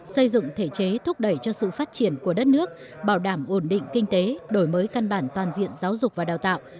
xây dựng thể chế thúc đẩy cho sự phát triển của đất nước bảo đảm ổn định kinh tế đổi mới căn bản toàn diện giáo dục và đào tạo